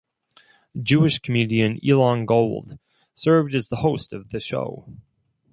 Jewish comedian Elon Gold served as the host of the show.